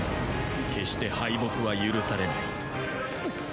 決して敗北は許されない。